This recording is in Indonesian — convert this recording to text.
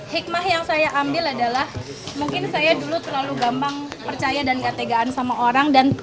hikmah yang saya ambil adalah mungkin saya dulu terlalu gampang percaya dan ketegaan sama orang